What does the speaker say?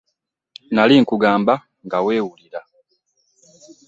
Nali nkugamba nga weewulira.